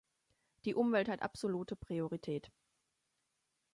Die Umwelt hat absolute Priorität.